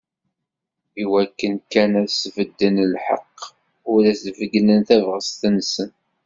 Iwakken kan ad sbedden lḥeqq u ad d-beyynen tabɣest-nsen.